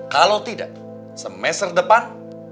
kalau tidak semester depan